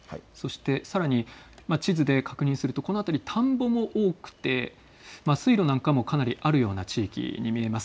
さらに地図で確認するとこの辺り、田んぼも多く水路なんかもかなりあるような地域に見えます。